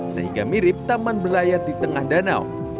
sehingga mirip taman berlayar di tengah danau